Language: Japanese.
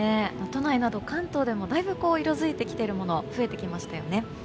都内など関東でもだいぶ色づいているもの増えてきましたよね。